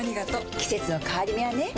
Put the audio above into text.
季節の変わり目はねうん。